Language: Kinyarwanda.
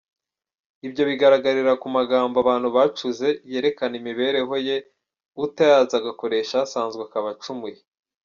Ibyo bigaragarira ku magambo abantu bacuze yerekana imibereho ye, utayazi agakoresha asanzwe akaba acumuye.